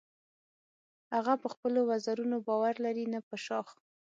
هغه په خپلو وزرونو باور لري نه په شاخ.